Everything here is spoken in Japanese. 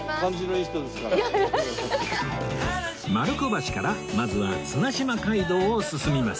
丸子橋からまずは綱島街道を進みます